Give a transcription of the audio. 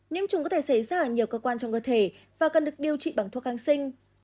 nhiễm trùng có thể xảy ra ở nhiều cơ quan trong cơ thể và cần được điều trị bằng thuốc kháng sinh